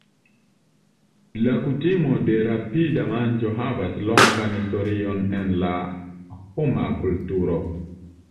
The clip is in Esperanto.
La kutimo de rapida manĝo havas longan historion en la homa kulturo.